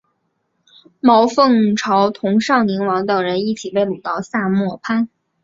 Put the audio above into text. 毛凤朝同尚宁王等人一起被掳到萨摩藩。